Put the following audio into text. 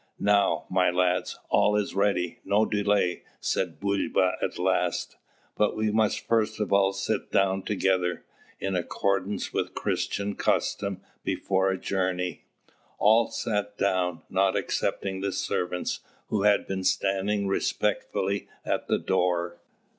"Now, my lads, all is ready; no delay!" said Bulba at last. "But we must first all sit down together, in accordance with Christian custom before a journey." All sat down, not excepting the servants, who had been standing respectfully at the door.